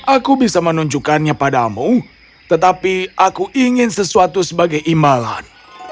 aku bisa menunjukkannya padamu tetapi aku ingin sesuatu sebagai imbalan